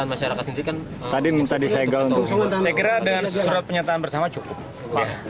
saya kira dengan surat pernyataan bersama cukup